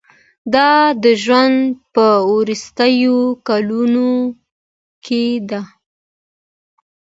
دا د ژوند په وروستیو کلونو کې ده.